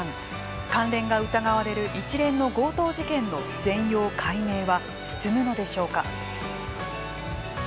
関連が疑われる一連の強盗事件の全容解明は進むのでしょうか。